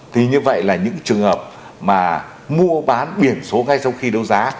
thì như vậy là những trường hợp mà mua bán biển số ngay sau khi đấu giá